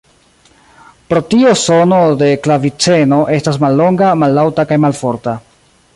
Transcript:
Pro tio sono de klaviceno estas mallonga, mallaŭta kaj malforta.